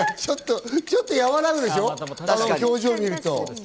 ちょっと和らぐでしょ、あの表情を見ると。